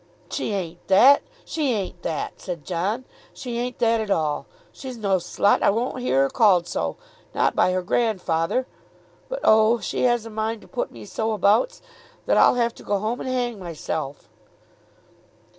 "She ain't that; she ain't that," said John. "She ain't that at all. She's no slut. I won't hear her called so; not by her grandfather. But, oh, she has a mind to put me so abouts, that I'll have to go home and hang myself."